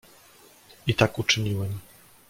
"I tak uczyniłem."